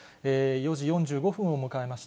４時４５分を迎えました。